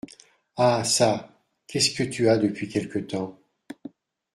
Ah ça ! qu’est-ce que tu as depuis quelque temps ?…